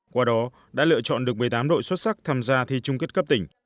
qua đó đã lựa chọn được một mươi tám đội xuất sắc tham gia thi chung kết cấp tỉnh